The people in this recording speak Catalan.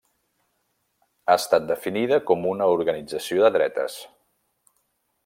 Ha estat definida com una organització de dretes.